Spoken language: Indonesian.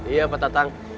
iya pak tatang